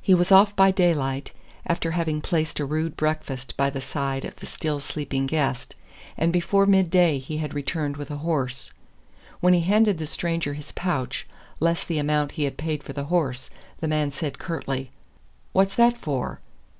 He was off by daylight after having placed a rude breakfast by the side of the still sleeping guest and before midday he had returned with a horse. When he handed the stranger his pouch, less the amount he had paid for the horse, the man said curtly: "What's that for?"